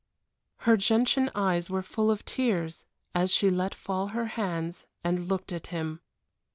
Her gentian eyes were full of tears as she let fall her hands and looked at him.